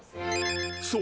［そう。